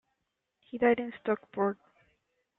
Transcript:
He died in Stockport.